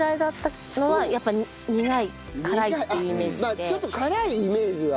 まあちょっと辛いイメージは。